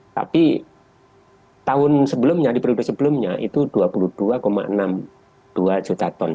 tapi tahun sebelumnya di periode sebelumnya itu dua puluh dua enam puluh dua juta ton